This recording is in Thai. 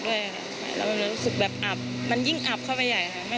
แล้วรู้สึกแบบอับยิ่งอับเข้าไปไย